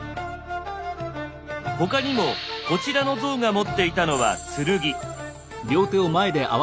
他にもこちらの像が持っていたのは剣。